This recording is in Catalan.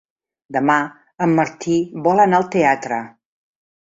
Demà en Martí vol anar al teatre.